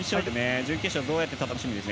準決勝どうやって戦うか楽しみです。